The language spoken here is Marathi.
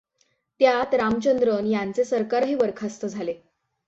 त्यात रामचंद्रन यांचे सरकारही बरखास्त झाले.